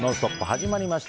始まりました。